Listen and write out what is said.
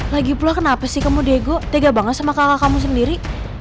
lagi pula kenapa sih kamu diego tega banget sama kakak kamu sendiri